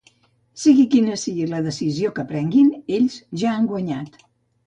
Sigui quina sigui la decisió que prenguin, ells ja han guanyat